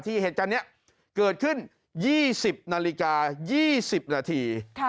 เหตุการณ์นี้เกิดขึ้น๒๐นาฬิกา๒๐นาที